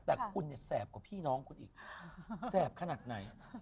แต่คุณเนี่ยแสบกว่าพี่น้องคุณอีกแสบขนาดไหน